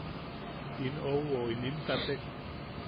In ouwo inim katek.